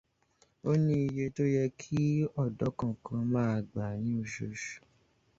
Ó ní iye tó yẹ́ kí ọ̀dọ́ kankan má a gbà ní oṣoṣù.